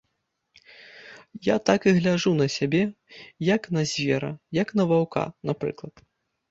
Я так і гляджу на сябе, як на звера, як на ваўка, напрыклад.